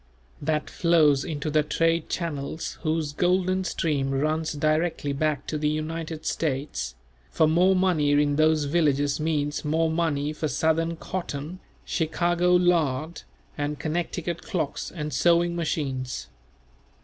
That flows into the trade channels whose golden stream runs directly back to the United States; for more money in those villages means more money for Southern cotton, Chicago lard, and Connecticut clocks and sewing machines.